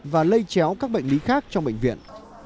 và lây chéo các bệnh lý khác trong bệnh viện